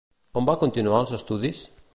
On va continuar els estudis?